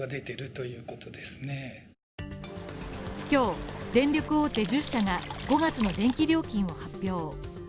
今日、電力大手１０社が５月の電気料金を発表。